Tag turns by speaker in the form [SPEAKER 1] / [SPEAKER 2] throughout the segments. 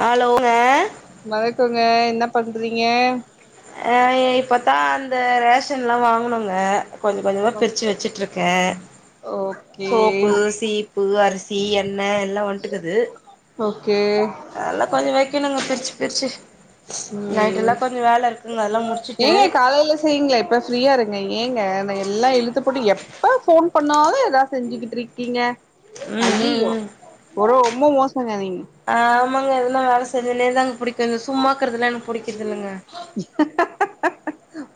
[SPEAKER 1] ஹலோங்க
[SPEAKER 2] வணக்கோங்க என்ன பண்றீங்க
[SPEAKER 1] அ இப்பத்தா அந்த ரேஷன்லா வாங்குனோங்க கொஞ்ச கொஞ்சமா
[SPEAKER 2] ஓக்
[SPEAKER 1] பிரிச்சி வச்சிட்ருக் க
[SPEAKER 2] ஓகே
[SPEAKER 1] சோப்பு சீப்பு அரிசி எண்ண எல்லா வன்ட்டுக்குது
[SPEAKER 2] ஓகே
[SPEAKER 1] அதலா கொஞ்சு வைக்கணுங்க பிரிச்சி பிரிச்சி
[SPEAKER 2] ம்
[SPEAKER 1] நைட்டெல்லா கொஞ்சு வேல இருக்
[SPEAKER 2] ஏங்க காலேல செய்ங்ளே இப்ப ஃப்ரீயா இருங்க ஏங்க இந்த எல்லா இழுத்துப் போட்டு எப் ப ஃபோன் பண்ணாலு எதா செஞ்சுக்கிட்ருக்கீங்க
[SPEAKER 1] ம் ம்
[SPEAKER 2] ஐயயோ
[SPEAKER 1] ம்
[SPEAKER 2] ஒரோ ரொம்ம மோசங்க நீங்க
[SPEAKER 1] ஆமாங்க எதுனா வேல செஞ்சுனேதாங்க புடிக்கு இந்த சும்மாக்கறதுலா எனக்கு புடிக்குற்தில்லங்க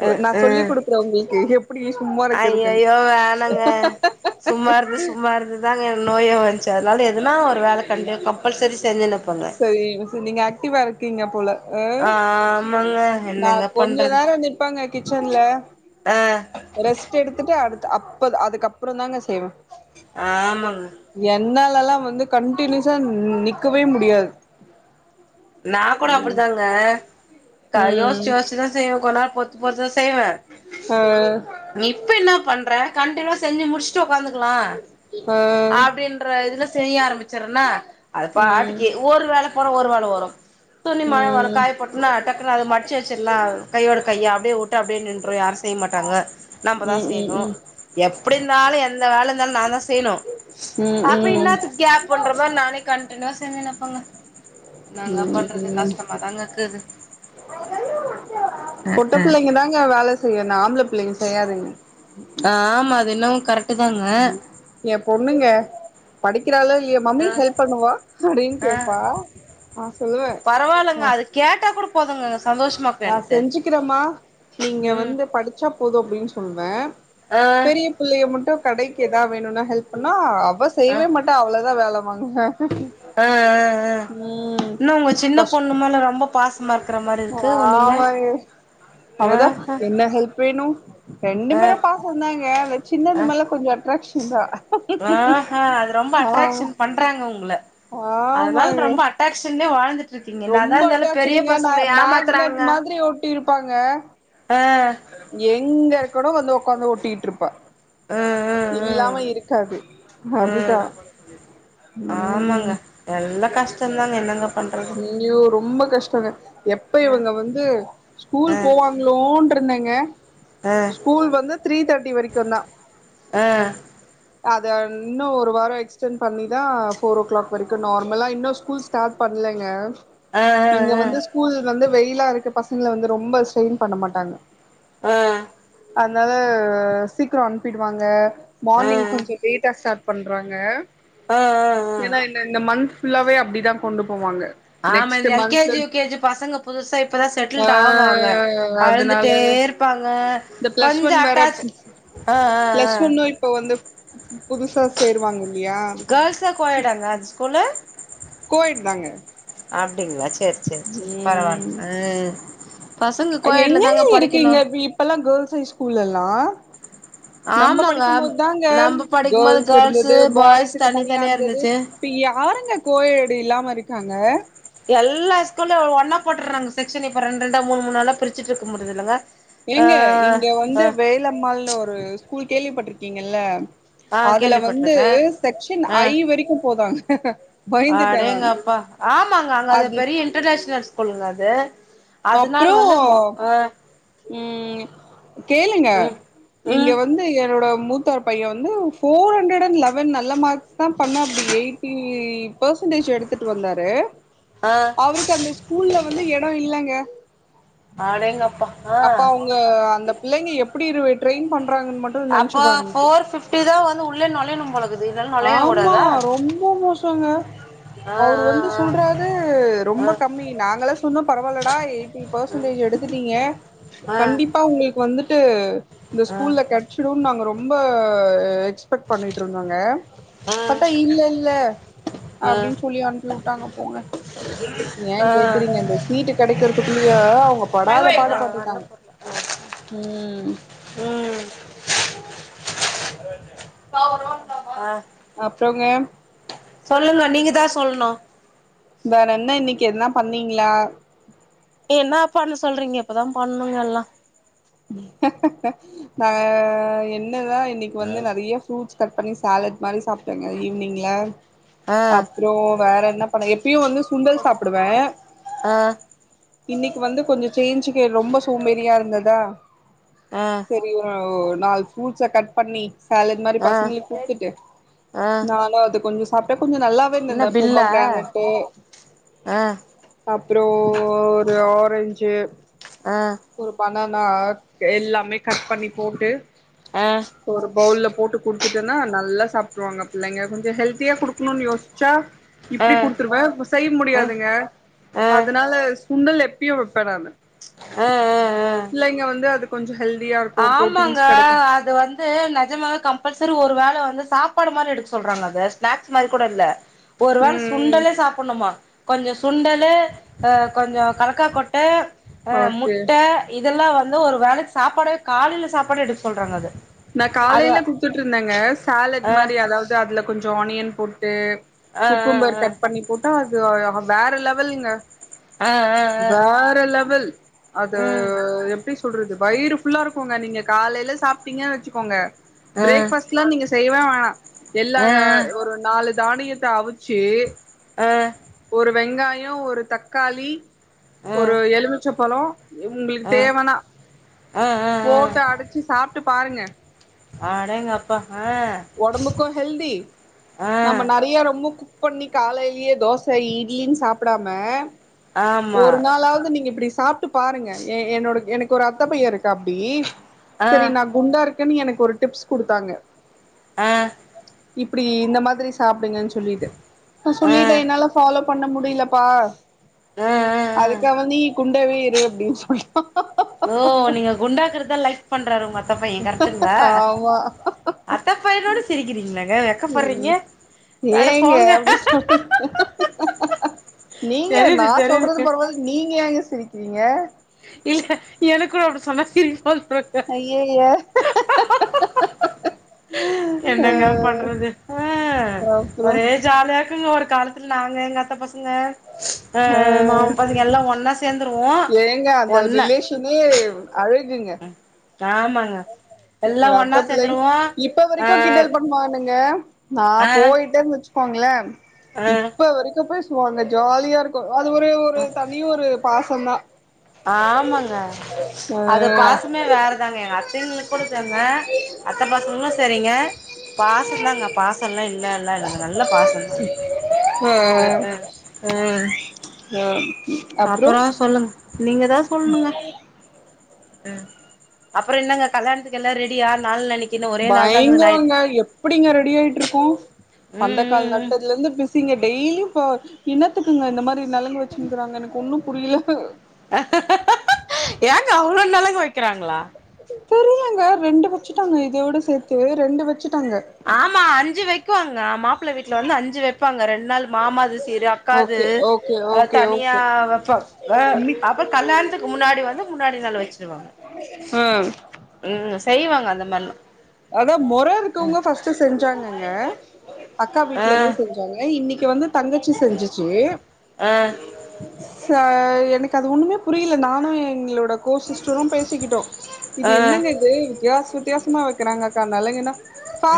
[SPEAKER 2] ஒ நா
[SPEAKER 1] அ
[SPEAKER 2] சொல்லி் குடுக்குற உங்ளுக்கு எப் புடி சும்மா இருக்கிறதுன்
[SPEAKER 1] ஐயையோ வேணாங்க சும்மா இருந்து சும்மா இருந்து தாங்க எனக் நோயே வன்ச்சு அதுனால எதுனா ஒரு வேல கண்டி கம்பல்சரி செஞ்சுன்னிப்பங்க
[SPEAKER 2] சரி இன்னுசு நீங்க ஆக்டிவா இருக்கீங்க போல அ
[SPEAKER 1] ஆமாங்க
[SPEAKER 2] நா
[SPEAKER 1] என்னங்க
[SPEAKER 2] கொஞ்சோ
[SPEAKER 1] பண்றது
[SPEAKER 2] நேரோ நிப்பங்க கிச்சன்ல
[SPEAKER 1] ஆ
[SPEAKER 2] ரெஸ்ட் எடுத்துட்டு அடுத்து அப்பது அதுக்கப்புறோந்தாங்க செய்வ
[SPEAKER 1] ஆமங்க
[SPEAKER 2] என்னாலலா வந்து கண்டினியூஸா நிக்கவே முடியாது
[SPEAKER 1] நா கூட அப்டிதாங்க கா யோச்சு
[SPEAKER 2] ம்
[SPEAKER 1] யோச் இன்னா செய்வே கொன் நேர் பொறுத்து பொறுத்துதா செய்வ
[SPEAKER 2] ஆ
[SPEAKER 1] நீ இப்ப என்ன பண்ற கண்டினூவா செஞ்சு முடிஸ்ட்டு ஒக்காந்துகுலா
[SPEAKER 2] ஆ
[SPEAKER 1] அப்டின்ற இதுல செய்ய ஆரமிச்சுருனா
[SPEAKER 2] ம்
[SPEAKER 1] அதுபாட்டுக்கி ஒரு வேல போனா ஒரு வேல வரு துணி
[SPEAKER 2] ம்
[SPEAKER 1] மழ வரு
[SPEAKER 2] ம்
[SPEAKER 1] காய போட்னா டக்குனு அது மடிச்சு வச்சிர்லா கையோட கையா அப்டியே ஒட் டு அப்டே நின்று யாரு செய் மாட்டாங்க நம்பதா
[SPEAKER 2] ம்
[SPEAKER 1] செயணு எப்டி இருந்தாலு எந்த வேல இருந்தாலு நாந்தா செய்ணு
[SPEAKER 2] ம் ம்
[SPEAKER 1] அப்ப இன்னாத்துக் கேப் பண்ற மார் நானே கண்டுனிவா செஞ்சுன்னிப்பங்க நா என்ன
[SPEAKER 2] ம்
[SPEAKER 1] பண்றது
[SPEAKER 2] ம்
[SPEAKER 1] கஷ்டமா தாங்க இக்குது
[SPEAKER 2] பொட்டப் பிள்ளைங்க தாங்க வேலை செய்யு இன்ன ஆம்பள பிள்ளைங்க செய்யாதுங்க
[SPEAKER 1] ஆமா அது என்னமு கரெக்ட்டுதாங்க
[SPEAKER 2] ஏயா பொண்ணுங்க படிக்கிறாளோ இல்லையோ மம்மி
[SPEAKER 1] ஆ
[SPEAKER 2] ஹெல்ப் பண்ணவா அப்டின்னு
[SPEAKER 1] ஆ
[SPEAKER 2] கேட்பா நா சொல்லுவே
[SPEAKER 1] கேட்டாக்கூட போதுங்கங்க சந்தோஷமாக்
[SPEAKER 2] நா செஞ்சுக்கிறேமா நீங்க
[SPEAKER 1] ம்
[SPEAKER 2] வந்து படிச்சா போது அப்டின்னு சொல்வே
[SPEAKER 1] ஆ
[SPEAKER 2] பிள்ளைய மட்டு கடைக்கு ஏதா வேணுன ஹெல்ப் பண்ணா அவ
[SPEAKER 1] ஆ ஆ
[SPEAKER 2] செய்யவே மாட்ட அவ்ளதா வேலவாங்குவ
[SPEAKER 1] ஆ
[SPEAKER 2] ம் கஷ்
[SPEAKER 1] உ மேல ரொம்ப பாசமா இருக்கற மாரி இருக்கு நீங்க
[SPEAKER 2] ஆமாங்க அவதா
[SPEAKER 1] ஆஹா
[SPEAKER 2] என்ன ஹெல்ப் வேணு ரெண்டு
[SPEAKER 1] ஆ
[SPEAKER 2] பேரு பாசந்தாங்க அந்த
[SPEAKER 1] ஆ
[SPEAKER 2] சின்னது மேல கொஞ்சோ அட்ராக்ஷன்தா
[SPEAKER 1] ஆ அது ரொம்ப அட்ராக்க்ஷன் பண்றாங்க உங்கள
[SPEAKER 2] ஆமாங்க
[SPEAKER 1] அட்ராக்சன்லையே வாழ்ந்துட்டு என்னதா
[SPEAKER 2] ரொம்ப
[SPEAKER 1] இருந்தாலு பெரிய
[SPEAKER 2] அட்டாச்சுடுங்க நா
[SPEAKER 1] பசங்கள
[SPEAKER 2] மேக்னெட்
[SPEAKER 1] ஏமாத்துறாங்க
[SPEAKER 2] மாதிரி ஒட்டி இருப்பாங்க
[SPEAKER 1] ஆ
[SPEAKER 2] எங்க இருக்னோ வந்து ஒக்காந்து ஒட்டிட்ருப்பா
[SPEAKER 1] ம் ம் ம்
[SPEAKER 2] இல்லாம இருக்காது
[SPEAKER 1] ம்
[SPEAKER 2] அதுதா
[SPEAKER 1] ஆமாங்க
[SPEAKER 2] ம்
[SPEAKER 1] எல்லா கஷ்டதாங்க என்னங்க பண்றது
[SPEAKER 2] ஐயோ ரொம்ப கஷ்டங்க எப்ப
[SPEAKER 1] ஆ
[SPEAKER 2] இவங்க வந்து ஸ்கூல்
[SPEAKER 1] ஆ
[SPEAKER 2] போவாங் லோன்டிருந்தங்க
[SPEAKER 1] ஆ
[SPEAKER 2] ஸ்கூல் வந்து த்ரீ தேர் ர்டி வரைக்குந்தா
[SPEAKER 1] ஆ
[SPEAKER 2] அத இன்னு ஒரு வாரோ எக்ஸ்டென்ட் பண்ணிதா ஃபோர் ஓ கிளாக் வரைக்கு நார்மலா இன்னு ஸ்கூல் ஸ்டார்ட் பண் பண்லங்க
[SPEAKER 1] ஆ
[SPEAKER 2] இங்க
[SPEAKER 1] ஆ
[SPEAKER 2] வந்து ஸ்கூல்லருந்து வந்து வெயிலா இருக்கு பசங்கள வந்து ரொம்ப ஸ்ட்ரெயின் பண்ண மாட்டாங்க
[SPEAKER 1] அ
[SPEAKER 2] அதனால சீக்ரோ அனுப்பிடுவாங்க
[SPEAKER 1] ஆ
[SPEAKER 2] மார்னிங்
[SPEAKER 1] ஆ
[SPEAKER 2] கொஞ்சோ லேட்டா ஸ்டார்ட் பண்றாங்க
[SPEAKER 1] ஆ ஆ ஆ
[SPEAKER 2] ஏன்னா இந்த இந்த மந்த் ஃபுல்லாவே அப்டிதா கொண்டு போவாங்க
[SPEAKER 1] ஆமா
[SPEAKER 2] நெக்ஸ்ட்
[SPEAKER 1] இந்த எல் கே
[SPEAKER 2] மந்த்ல
[SPEAKER 1] ஜி யு கே ஜி பசங்க புதுசா இப்பதா
[SPEAKER 2] ஆ
[SPEAKER 1] செட்டில்ட் ஆவாங்க
[SPEAKER 2] அதனால
[SPEAKER 1] அழுந்துட்டே இருப்பாங்க
[SPEAKER 2] இந்த பிளஸ்
[SPEAKER 1] கொஞ்சோ
[SPEAKER 2] ஒன் வேற
[SPEAKER 1] அட்டாச் ஆ ஆ
[SPEAKER 2] பிளஸ்
[SPEAKER 1] ஆ
[SPEAKER 2] ஒன்னு இப்போ வந்து புதுசா சேருவாங்கல்லையா
[SPEAKER 1] [unintelligible] கோயடாங்கா அந்த ஸ்கூல்லு
[SPEAKER 2] கோ எட் தாங்க
[SPEAKER 1] அப்டிங்ளா சேரி சேரி சேரி
[SPEAKER 2] ம்
[SPEAKER 1] பரவால்ல ம் பசங்க கோ எட்லதாங்க படிக்கணு
[SPEAKER 2] இப்பெல்லா கேர்ள்ஸ் ஹைஸ்கூல் எல்லா நம்ம
[SPEAKER 1] ஆமாங்க
[SPEAKER 2] படிக்கு போது தாங்க
[SPEAKER 1] நம்ம படிக்கும்போது
[SPEAKER 2] கேர்ள்ஸ்
[SPEAKER 1] கேர்ள்ஸு
[SPEAKER 2] இருந்தது
[SPEAKER 1] பாய்ஸ்
[SPEAKER 2] பாய்ஸுக்கு
[SPEAKER 1] தனி
[SPEAKER 2] தனியா இருந்தது
[SPEAKER 1] இருந்துச்சு
[SPEAKER 2] இப்ப யாருங்க கோஎட்டு இல்லாம இருக்காங்க
[SPEAKER 1] எல்லா ஸ்கூல்லையு ஒன்னா போட்றாங்க செக்க்ஷன் இப்ப ரெண்டு ரொண்டா மூணு மூணுனாலா பிரிச்சுட்டு இருக்க முடியிர்து இல்லங்க
[SPEAKER 2] இருங்க இங்க வந்து வேலம்மாள்னு ஒரு ஸ்கூல் கேள்விப் பட்டிருக்கீங்கல்ல
[SPEAKER 1] ஆ
[SPEAKER 2] அதுல வந்து
[SPEAKER 1] கேள்விப்பட்ருக்கே
[SPEAKER 2] செக்க்ஷன்
[SPEAKER 1] ஆ
[SPEAKER 2] ஐ வரைக்கு போதாங்க பயிந்துட்ட நானு
[SPEAKER 1] அடேங்கப்பா ஆமாங்க அங்க அது பெரிய இன்டர்நேஷ்னல் ஸ்கூலுங்க அது அதனால
[SPEAKER 2] அப்றோ
[SPEAKER 1] வந்து மோ ஆ
[SPEAKER 2] ம் கேளுங்க
[SPEAKER 1] ம்
[SPEAKER 2] இங்க
[SPEAKER 1] ம்
[SPEAKER 2] வந்து என்னோட மூத்தார் பைய வந்து ஃபோர் ஹண்ட்ரட் அண் லெவன் நல்ல மார்க்ஸ் தா பண்ணாப்புடி எயிட் டி பெர்சன்டேஜ் எடுத்துட்டு வந்தாரு
[SPEAKER 1] ஆ
[SPEAKER 2] அவருக்கு அந்த ஸ்கூல்ல வந்து எடோ இல்லங்க
[SPEAKER 1] அடேங்கப்பா ஆ
[SPEAKER 2] அப்ப அவங்க அந்த பிள்ளைங்க எப்டி இருவே ட்ரெயின் பண்றாங்கன்னு மட்டு நெனச்சு
[SPEAKER 1] அப்போ
[SPEAKER 2] பாருங்க
[SPEAKER 1] ஃபோர் பிஃப்டி தா வந்து உள்ளயே நொலையனு போலக்கு
[SPEAKER 2] ஆமா ரொம்போ மோசங்க
[SPEAKER 1] ஆ
[SPEAKER 2] அவரு வந்து சொல்றாரு
[SPEAKER 1] ஆ
[SPEAKER 2] ரொம்ப கம்மி நாங்கள சொன்னோ பரவால்லடா எயிட்டி இ பர்சன்டேஜ் எடுத்துட்டீங்க
[SPEAKER 1] ஆ
[SPEAKER 2] கண்டிப்பா
[SPEAKER 1] ஆ
[SPEAKER 2] உங்களுக்கு வந்துட்டு இந்த
[SPEAKER 1] ஆ
[SPEAKER 2] ஸ்கூல்ல கெட ச்சிடும் நாங்க ரொம்போ எக்ஸ்பெக்ட் பண்ணிட்ருந்தோங்க
[SPEAKER 1] ஆ
[SPEAKER 2] பாத்தா இல்லல்ல அப்டின்ச் சொல்லி அனுப்பி வுட்டாங்க போங்க ஏ கேக்குறீங்க இந்தந்த சீட்டு கெடைக்கிறதுக்குள்ளயே அவ்ங்க பாடாத பாடு
[SPEAKER 1] ஆ ஆ
[SPEAKER 2] பாட்டுட்டாங்க ம்
[SPEAKER 1] ம் ஆ
[SPEAKER 2] அப்றோங்க
[SPEAKER 1] சொல்லுங்க நீங்க தா சொல்ணு
[SPEAKER 2] வேற என்ன இன்னிக்கு எதுன்னா பண்ணீங்களா
[SPEAKER 1] என்னா பண்ண சொல்றீங்க இப்பதா பண்ணணுங்க எல்லா
[SPEAKER 2] நா என்னதா இன்னிக்கு வந்து நெறைய ஃப்ரூட்ஸ் கட் பண்ணி சாலட் மாரி சாப்பிட்டேங்க ஈவ்னிங்ல
[SPEAKER 1] ஆ
[SPEAKER 2] அப்புறோ வேற என்ன பண்ண எப்பயு வந்து சுண்டல் சாப்பிடுவே
[SPEAKER 1] ஆ
[SPEAKER 2] இன்னிக்கு வந்து கொஞ்சோ சேஞ்சுக்கு ரொம்ப சோம்பேறியா இருந்ததா
[SPEAKER 1] ஆ
[SPEAKER 2] செரி ஒ நாலு ஃப்ரூட்ஸ கட் பண்ணி சேலட் மாரி
[SPEAKER 1] ஆ
[SPEAKER 2] பசங்களுக்கு குடுத்துட்டு
[SPEAKER 1] ஆ
[SPEAKER 2] நானு அது கொஞ்சோ ஸ் சாப்ட்டே கொஞ்சோ நல்லாவேருந்தது
[SPEAKER 1] என்ன
[SPEAKER 2] இந்த
[SPEAKER 1] பில்லா
[SPEAKER 2] பொமகிரானட்டு
[SPEAKER 1] ஆ
[SPEAKER 2] அப்றோ ஒரு ஆரஞ்சு
[SPEAKER 1] ஆ
[SPEAKER 2] ஒரு பனானாக் எல்லாமே கட் பண்ணி போட்டு
[SPEAKER 1] அ
[SPEAKER 2] ஒரு பவுல்ல போட்டு குடுத்துட்டன்னா நல்லா சாப்ட்றுவாங்க பிள்ளைங்க கொஞ்சோ ஹெல்த்தியா குடுக்கணுனு யோசிச்சா
[SPEAKER 1] ஆ
[SPEAKER 2] இப்டி குடுத்துருவ பஸ் செய்ய
[SPEAKER 1] ஆ
[SPEAKER 2] முடியாதுங்க
[SPEAKER 1] ஆ
[SPEAKER 2] அதனால சுண்டல் எப்பயு வெப்ப நானு
[SPEAKER 1] ஆ
[SPEAKER 2] பிள்ளைங்க வந்து அது கொஞ்சோ ஹெல்தியாருக்கு
[SPEAKER 1] ஆமாங்க
[SPEAKER 2] பு்ரோட்டீன்ஸ் கெடைக்கு
[SPEAKER 1] அது வந்து நெஜமாவே கம்பல்சரி ஒரு வேல வந்து சாப்பாடு மாரி எடுக்க சொல்றாங்க அத ஸ்னாக்ஸ் மாரி கூட இல்ல ஒருவேள
[SPEAKER 2] ம்
[SPEAKER 1] சுண்டலே சாப்பிட்ணுமா கொஞ்சோ சுண்டலு ஆ கொஞ்சோ கலக்கா கொட்ட ஆ
[SPEAKER 2] ஓகே
[SPEAKER 1] முட்ட இதெல்லா வந்து ஒருவேளைக்கு சாப்பாடவே காலேல சாப்பாடு எடுக்க சொல்றாங்க அத
[SPEAKER 2] நா காலேல குடுத்துட்ருந்தேங்க சாலட்
[SPEAKER 1] அ
[SPEAKER 2] மாரி அதாவது அதுல கொஞ்சோ ஆனியன் போட்டு
[SPEAKER 1] அ அ
[SPEAKER 2] குக்கும்பர்
[SPEAKER 1] அ
[SPEAKER 2] கட் பண்ணி போட்டா அது [unintelligible] வேற லெவலுங்க
[SPEAKER 1] ஆ ஆ ஆ
[SPEAKER 2] வேற லெவல் அது
[SPEAKER 1] ம்
[SPEAKER 2] எப்டி சொல்றது வயிறு ஃபுல்லா இருக்குங்க நீங்க காலேல சாப்பிட்டீங்க வச்சுக்கோங்க
[SPEAKER 1] ஆ
[SPEAKER 2] பிரேக் ஃபாஸ்ட்லா நீங்க செய்யவே வேணா எல்லா
[SPEAKER 1] ஆ ஆ ஆ
[SPEAKER 2] கா ஒரு நாலு தானியத்த அவுச்சி
[SPEAKER 1] ஆ
[SPEAKER 2] ஒரு வெங்காயோ ஒரு தக்காளி ஒரு எலுமிச்சைப்பழோ உங்களுக்கு
[SPEAKER 1] ஆ ஆ
[SPEAKER 2] தேவன்னா
[SPEAKER 1] ஆ ஆ
[SPEAKER 2] போட்டு அடச்சு சாப்பிட்டு பாருங்க
[SPEAKER 1] ஆடேங்கப்பா ஆ
[SPEAKER 2] ஒடம்புக்கு ஹெல்தி
[SPEAKER 1] ஆ
[SPEAKER 2] நம்ம நெறைய ரொம்ப பொண்ணி காலேயிலயே தோச இட்லின்னு சாப்டாம
[SPEAKER 1] ஆமா
[SPEAKER 2] ஒரு நாளாவது நீங்க இப்டி சாப்ட் பாருங்க ஏ என்னோட எனக்கு ஒரு அத்த பைய இருக்கா அப்டி
[SPEAKER 1] ஆ ஆ
[SPEAKER 2] சரி நா குண்டா இருக்கனு எனக்கு ஒரு டிப்ஸ் கொடுத்தாங்க
[SPEAKER 1] ஆ
[SPEAKER 2] இப்டி இந்த மாதிரி சாப்பிடுங்கன்னு சொல்லிட்டு நா சொல்லிட்ட என்னால ஃபாலோ பண்ண முடிலப்பா
[SPEAKER 1] அ அ
[SPEAKER 2] அதுக்கு அவ நீ குண்டாவே இரு அப்டின்னு சொல்லிட்டா
[SPEAKER 1] ஓ நீங்க குண்டாக்கறத லைக் பண்றாரு உங்க அத்தப்பைய கரெக்டுங்களா
[SPEAKER 2] ஆமா
[SPEAKER 1] அத்தப்பையனோட சிரிக்கிறீங்களங்க வெக்கப்படுறீங்க
[SPEAKER 2] ம்
[SPEAKER 1] அட
[SPEAKER 2] ஏங்க
[SPEAKER 1] போங்க
[SPEAKER 2] அப்டி சொல் நீங்க
[SPEAKER 1] தெரியுது
[SPEAKER 2] நா சொல்றது
[SPEAKER 1] தெரியுது
[SPEAKER 2] பரவால நீங்க ஏங்க சிரிக்கிறீங்க
[SPEAKER 1] இல்ல எனக்கும் அப்டி சொன்னா திரி போ
[SPEAKER 2] ஐய்ய்ய அ
[SPEAKER 1] என்னங்க பண்றது ஹ
[SPEAKER 2] அப்றோ
[SPEAKER 1] ஒரே ஜாலியாக்குங்க ஒரு காலத்துல நாங்க எங்க அத்த பசங்க
[SPEAKER 2] அ
[SPEAKER 1] ஆஹ மா பாதிங்க எல்லா ஒன்னா சேர்ந்தருவோ ஒன்ன
[SPEAKER 2] தனி அழகுங்க
[SPEAKER 1] ஆமாங்க எல்லா
[SPEAKER 2] ஒரு
[SPEAKER 1] ஒன்னா சேந்துருவோ அஹ்
[SPEAKER 2] மானுங்க நா போயிட்டேன்னு வச்சுக்கோங்கள
[SPEAKER 1] ஆ
[SPEAKER 2] இப்ப வரைக்கும் போய் ஹோ அங்க ஜாலியா இருக்கு அது ஒரு ஒரு தனிய ஒரு பாச தா
[SPEAKER 1] ஆமாங்க அது பாசமே வேற தாங்க ங்க அத்தைங்களுக்கு கூட சங்க அத்த பசங்களு சரிங்க பாச தாங்க பாச எல்லா இல்ல இல்ல இல்ல நல்ல பாசம்தா
[SPEAKER 2] ஆ
[SPEAKER 1] அ ஆ உஹ
[SPEAKER 2] ஆ அப்புறோ
[SPEAKER 1] அப்பற சொல்லுங்க நீங்கதா ம் அப்பறோ என்னங்க கல்யாணத்துக்கு எல்லா ரெடியா நாள் நெருங்கி இன்னு ஒரே
[SPEAKER 2] பயங்கரோங்க எப்டிங்க ரெடி ஆயிட்டு இருக்கோ பந்த
[SPEAKER 1] ம்
[SPEAKER 2] கால்
[SPEAKER 1] ம்
[SPEAKER 2] நட்டதுல இருந்து பிசீங்க டெய்லி ப்பா இனத்துக்குங்க இந்த மாரி நலங்கு வச்சுனுருக்காங்க எனக்கு ஒன்னு புரில்ல
[SPEAKER 1] ஏங்க அவ்ளோ நலங்கு வைக்கிறாங்களா
[SPEAKER 2] தெரிலங்க ரெண்டு வச்சுட்டாங்க இதோட சேத்து ரெண்டு வச்சுட்டாங்க
[SPEAKER 1] ஆமா அஞ்சு வைக்குவாங்க மாப்பிள்ள வீட்டுல வந்து அஞ்சு வைப்பாங்க ரெண்டு நாள் மாமா அது சிறு அக்காது
[SPEAKER 2] ஓகே ஓகே ஓகே ஓகே
[SPEAKER 1] தனியாப்ப வைபாங்க அப்பற கல்யாணத்துக்கு முன்னாடி வந்து முன்னாடி நாள் வச்சிருவாங்க
[SPEAKER 2] ம்ம்
[SPEAKER 1] ம் செய்வாங்க அந்த மாதிரிலா
[SPEAKER 2] அதா முற இருக்கவங்க ஃபர்ஸ்ட்ட் செஞ்சாங்கங்க அக்கா
[SPEAKER 1] ஆ
[SPEAKER 2] வீட்டு்ல இருந்து செஞ்சாங்க இன்னிக்கு வந்து தங்கச்சி செஞ்சுச்சு
[SPEAKER 1] ஆஹ
[SPEAKER 2] சா எனக்கு அது ஒண்ணுமே புரியல நானும் எங்களோட கோ சிஸ்டரும் பேசிக்கிட்டோ இது
[SPEAKER 1] ஆ
[SPEAKER 2] என்னங்க இது வித்தியாச வித்தியாசமா வெக்கிறாங்க கா நலங்குன்னா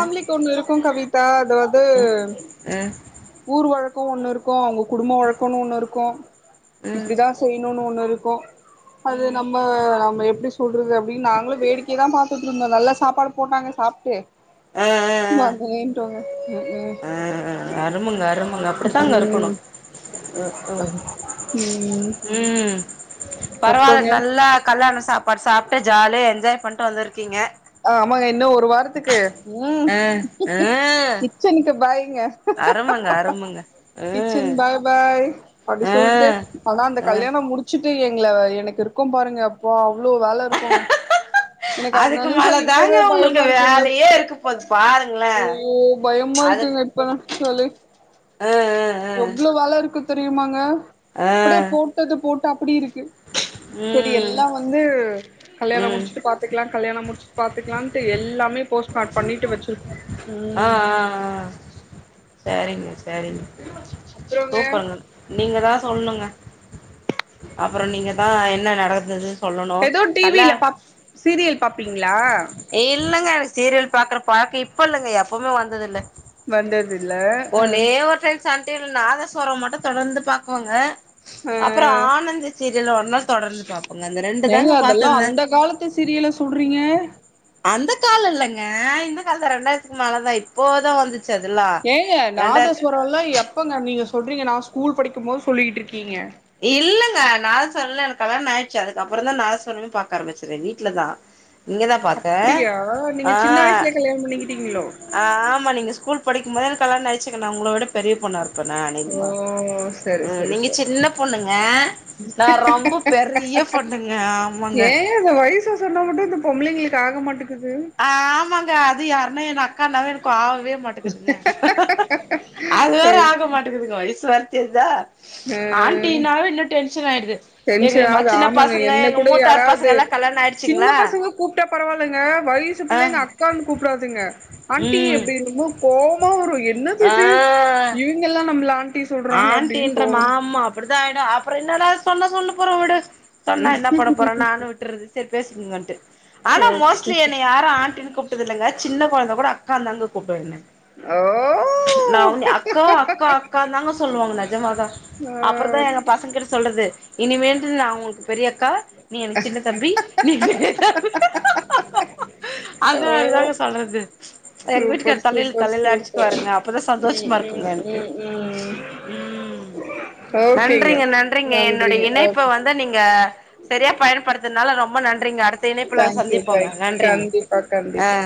[SPEAKER 1] அ அ
[SPEAKER 2] ஒண்ணு இருக்கும் கவிதா அதாவது
[SPEAKER 1] ம்
[SPEAKER 2] ஊர் வழக் கோ ஒண்ணுருக்கு அவ்ங்க குடும்ப வழக்கம்ன்னு ஒண்ணு இருக்கும்
[SPEAKER 1] ம்
[SPEAKER 2] இப்படிதா செய்யணும்னு ஒண்ணு இருக்கும் அது
[SPEAKER 1] ம்
[SPEAKER 2] நம்ம நம்ம எப்டி சொல்றது அப்டின்னு நாங்களு வேடிக்கய தா பாத்துட்டுருந்தோ நல்ல சாப்பாடு போட்டாங்க சாப்ட்டு
[SPEAKER 1] ஆ ஆ
[SPEAKER 2] நாங்க கெளம்பிடோங்க உ உ ம்
[SPEAKER 1] அருமுங்க அருமுங்க அபடித்தாங்கருக்கணு உம் உம்
[SPEAKER 2] ம்
[SPEAKER 1] ம் பரவால்ல
[SPEAKER 2] அப்புறங்க
[SPEAKER 1] நல்லா கல்யாண சாப் பாடு சாப்ட்டு ஜாலியா என்ஜாய் பண்ட்டு வந்திருக்கீங்க
[SPEAKER 2] ஆமாங்க இன்னும் ஒரு வார் த்துக்கு உம்
[SPEAKER 1] ஆ ம்
[SPEAKER 2] கிச்சனுக்கு பாய்ங்க
[SPEAKER 1] அருமங்க அருமங்க
[SPEAKER 2] கிச்சன்
[SPEAKER 1] ம்
[SPEAKER 2] பாய் பாய் அப்டி சொல்லிட்டு
[SPEAKER 1] ம்
[SPEAKER 2] ஆனா அந்த
[SPEAKER 1] ம்
[SPEAKER 2] கல்யாணம் முடிச் ச்சுட்டு எங்கள எனக்கு இருக்கும் பாருங்க அப்பா அவ்ளோ வேல இருக்குங்க எனக்கு அது
[SPEAKER 1] அதுக்கு
[SPEAKER 2] நெனச்சா
[SPEAKER 1] மேல தாங்க
[SPEAKER 2] இப்பவே
[SPEAKER 1] உங்களுக்கு
[SPEAKER 2] பயமா இருக்குங்க
[SPEAKER 1] வேலையே இருக்க போது பாருங்களே
[SPEAKER 2] யோ பயம்மா
[SPEAKER 1] அதுக்கு
[SPEAKER 2] இருக்குங்க ப சொல்லி
[SPEAKER 1] ஆ ஆ
[SPEAKER 2] எவ்ளோ வேல இருக்கு தெரியுமாங்க
[SPEAKER 1] ஆ
[SPEAKER 2] இப்ப போட்டது போட்டு அப்டி இருக்கு
[SPEAKER 1] ம்
[SPEAKER 2] செரி எல்லா வந்து கல்யாணம்
[SPEAKER 1] ம்
[SPEAKER 2] முடிச்சுட்டு பாத்துக்கலா கல்யாணம் முடிச்சி பாத்துக்கலான்னுட்டு எல்லாமே போஸ்ட்மார்ட் பண்ணிட்டு வச்சிருக்கோ
[SPEAKER 1] ஆ
[SPEAKER 2] ம்
[SPEAKER 1] ஆ ஆ செரிங்க செரிங்க
[SPEAKER 2] அப்றோங்க
[SPEAKER 1] சூப்பர்ன்னு நீங்க தா சொல்லுங்க அப்றோ நீங்க தா என்ன நடந்தது சொல்லணு
[SPEAKER 2] எதோ
[SPEAKER 1] கல்ல
[SPEAKER 2] டிவில பா சீரியல் பாப்பீங்களா
[SPEAKER 1] இல்லங்க எனக்கு சீரியல் பாக்குற பழக்கோ இப்ப இல்லங்க எப்பவுமே வந்தது இல்ல
[SPEAKER 2] வந்ததுல
[SPEAKER 1] ஒண்ணே ஒரு டைம் சன் டிவில நாதஸ்வரம் மட்டு தொடர்ந்து பாக்குவோங்க
[SPEAKER 2] அ
[SPEAKER 1] அப்பறோ ஆனந்த சீரியல் ஒரு நாள் தொடர்ந்து பாப்போங்க அந்த ரெண்டு தாங்க பாத்திருந்தே
[SPEAKER 2] ட்டு சீரியல சுடுறீங்க
[SPEAKER 1] அந்த காலோ இல்லைங்க இந்த காலத்தா ரெண்டாயிரத்துக்கு மேல தா இப்போ தா வந்து சு அதுலா
[SPEAKER 2] ஏங்க நாதஸ்வரோ எல்லா எப்பங்க நீங்க சொல்றீங்க நா ஸ்கூல் படிக்கும் போது சொல்லிட்டுருக்கீங்க
[SPEAKER 1] இல்லங்க நாதஸ்வரோல எனக்கு கல்யாணம் ஆயிருச்சு அதுக்கப்பற தா நாதஸ்வரமே பாக்க ஆரம்பிச்சதே வீட்ல தா இங்க தா பாத்தே
[SPEAKER 2] அப்டியா
[SPEAKER 1] ஆ
[SPEAKER 2] நீங்க சின்ன வயசுல கல்யாணம் பண்ணிக்கிட்டீங்களோ
[SPEAKER 1] ஆமா நீங்க ஸ்கூல் படிக்குபோதே கல்யாணோ ஆயிச்சுங்க நா உங்களோட பெரிய பொண்ணார் இப்ப நா அநேகமா
[SPEAKER 2] ஓ செரி
[SPEAKER 1] உ
[SPEAKER 2] செரி
[SPEAKER 1] நீங்க
[SPEAKER 2] செரி
[SPEAKER 1] சின்ன பொண்ணுங்க நா ரொம்ப பெரிய பொண்ணுங்க ஆமாங்க
[SPEAKER 2] ஏங்க இந்த வயச சொன்னா மட்டு இந்த பொம்பள்ளைங்களுக்கு ஆக மாட்டேங்குது
[SPEAKER 1] ஆமாங்க அது யாருன்னா எங்க அக்கானாவே எனக்கு ஆகவே மாட்டேங் க்குதுங்க அது வேற
[SPEAKER 2] ஆ
[SPEAKER 1] ஆக மாட்டேக்குதுங்க வயசுவரத்திதுதா ஆண்டினாலு இன்னும் டென்ஷன் ஆயிடுது எங்க எ
[SPEAKER 2] டென்ஷனாவுது
[SPEAKER 1] மச்சுன
[SPEAKER 2] ஆமாங்க
[SPEAKER 1] பசங்க
[SPEAKER 2] என்ன
[SPEAKER 1] எங்க
[SPEAKER 2] கூட
[SPEAKER 1] மூத்தார்
[SPEAKER 2] யாராவது
[SPEAKER 1] பசங்க எல்லாம் கல்யாணம்
[SPEAKER 2] சின்ன
[SPEAKER 1] ஆயிடுச்சிங்களா
[SPEAKER 2] பசங்க கூப்ட்டா பரவால்லங்க வயசு பிள்ளைங்க அக்கானு கூப்புடாதுங்க ஆண்டி
[SPEAKER 1] ம்
[SPEAKER 2] அப்டின்மோ கோவமா வரு என்னது
[SPEAKER 1] ஆ
[SPEAKER 2] இது ஏ இவ்ங்க எல்லா நம்மள ஆண்டி சொல்றாங்க அப்டின்னு
[SPEAKER 1] அப்றம்
[SPEAKER 2] கோவ வரு
[SPEAKER 1] மாம்மா அப்டிதா ஆயிடு அப்றோ என்னடா இது சொன்னா சொல்லு போறா வுடு சொன்னா என்ன பண்ண போறா நானு விட்றது செரி பேசிகங்கன்னு ஆனா
[SPEAKER 2] ஓகே
[SPEAKER 1] மோஸ்ட்லி என்ன யாரு ஆண்டினு கூப் ட்ருதுல்லங்க சின்ன கொழந்த கூட அக்கான்தாங்க கூப்டு என்ன
[SPEAKER 2] ஓ
[SPEAKER 1] ந உன்ய அக்கா அக்கா அக்கான்தாங்க சொல்லுவாங்க நெஜமாதா
[SPEAKER 2] ஓ
[SPEAKER 1] அப்றந்தா
[SPEAKER 2] ஆ
[SPEAKER 1] எங்க பசங்க கிட்ட சொல்றது இனிமேட்டு நா உங்ளுக்கு பெரிய அக்கா நீ எனக்கு சின்ன தம்பி நீ [inaudible] அந்த
[SPEAKER 2] ஓ
[SPEAKER 1] மேரிதாங்க சொல்றது எங்க வீட்டுகாரு
[SPEAKER 2] சூப்பர்
[SPEAKER 1] தலைல
[SPEAKER 2] சூப்பர்
[SPEAKER 1] தலைல
[SPEAKER 2] சூப்பர்
[SPEAKER 1] அடிச்சுக்குவாருங்க அப்பதா
[SPEAKER 2] ம்
[SPEAKER 1] சந்தோஷமா இருக்குங்க
[SPEAKER 2] ம்
[SPEAKER 1] எனக்கு
[SPEAKER 2] ம் ம்
[SPEAKER 1] ம்
[SPEAKER 2] ஓகேங்க
[SPEAKER 1] நன்றிங்க நன்றிங்க என்னோடைய இணைப்ப வந் த நீங்க செரியாப் பயன்படுத்தனால ரொம்ப நன்றிங்க அடுத் த இணைப்புல
[SPEAKER 2] தேங்க்யூ
[SPEAKER 1] சந்திப்போங்க
[SPEAKER 2] தேங்க்ஸ்
[SPEAKER 1] நன்றிங்க
[SPEAKER 2] கண்டிப்பா
[SPEAKER 1] அ
[SPEAKER 2] கண்டிப்பா